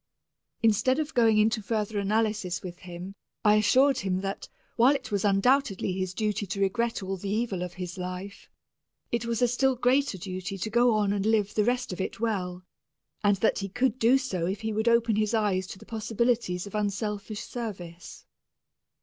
Instead of going into further analysis with him, I assured him that, while it was undoubtedly his duty to regret all the evil of his life, it was a still greater duty to go on and live the rest of it well, and that he could do so if he would open his eyes to the possibilities of unselfish service.